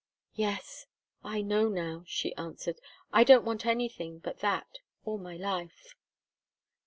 "Yes. I know now," she answered. "I don't want anything but that all my life."